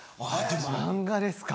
漫画ですか。